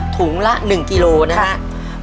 ถุงละ๑กิโลนะครับ